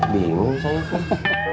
beong salah kan